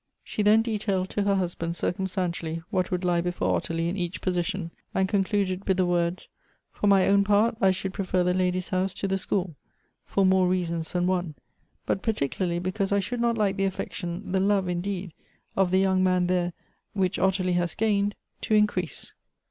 She then detailed to her husband circumstantially what would lie before Ottilie in each position, and concluded with the words, " For my own part I should prefer the lady's house to the school, for more reasons than one; but particularly because I should not like the affection, the love indeed, of the young man there, which Ottilie has gained, to increase."